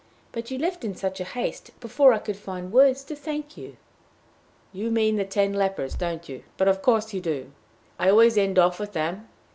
But you left in such haste! before I could find words to thank you!" "You mean the ten lepers, don't you?" he said. "But of course you do. I always end off with them."